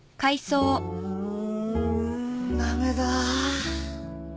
うん駄目だ